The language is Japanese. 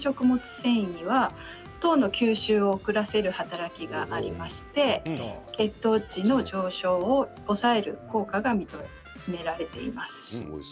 繊維には糖の吸収を遅らせる働きがあって血糖値の上昇を抑える効果が認められています。